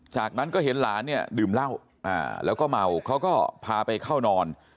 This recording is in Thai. จากนั้นก็เห็นหลานเนี่ยดื่มเหล้าแล้วก็เมาเขาก็พาไปเข้านอน